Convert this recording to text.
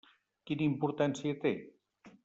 Quina importància té?